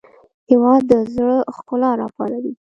هېواد د زړه ښکلا راپاروي.